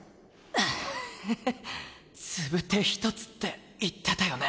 あははっつぶて１つって言ってたよね。